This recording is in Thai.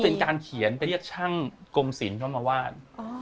เป็นการเขียนไปเรียกช่างกรมศิลป์เข้ามาวาด